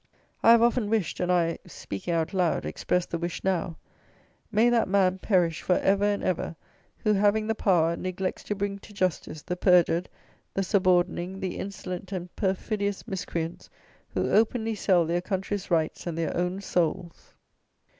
I have often wished, and I, speaking out loud, expressed the wish now: "May that man perish for ever and ever, who, having the power, neglects to bring to justice the perjured, the suborning, the insolent and perfidious miscreants, who openly sell their country's rights and their own souls."